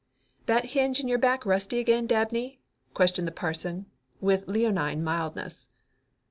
"That hinge in your back rusty again, Dabney?" questioned the parson, with leonine mildness.